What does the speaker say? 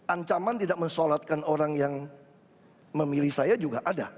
ancaman tidak mensolatkan orang yang memilih saya juga ada